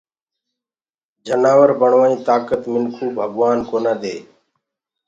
جنآور بڻوآئي تآڪَت منکو ڀگوآن ڪونآ دي